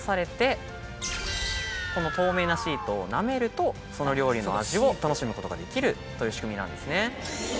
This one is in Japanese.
この透明なシートを舐めるとその料理の味を楽しむことができるという仕組みなんですね。